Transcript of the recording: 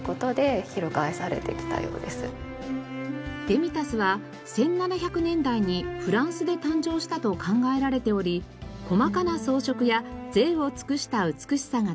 デミタスは１７００年代にフランスで誕生したと考えられており細かな装飾や贅を尽くした美しさが特徴です。